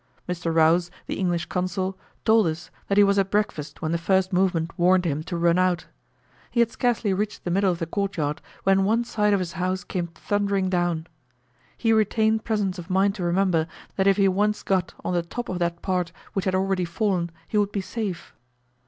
Mr. Rouse, the English consul, told us that he was at breakfast when the first movement warned him to run out. He had scarcely reached the middle of the courtyard, when one side of his house came thundering down. He retained presence of mind to remember, that if he once got on the top of that part which had already fallen, he would be safe.